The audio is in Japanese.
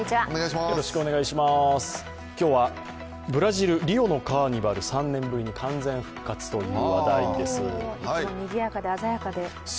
今日はブラジル・リオのカーニバル、３年ぶりに完全復活という話題です